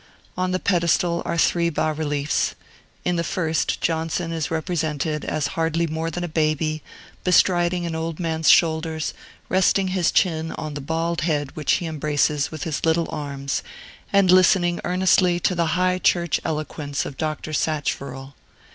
On the pedestal are three bas reliefs. In the first, Johnson is represented as hardly more than a baby, bestriding an old man's shoulders, resting his chin on the bald head which he embraces with his little arms, and listening earnestly to the High Church eloquence of Dr. Sacheverell.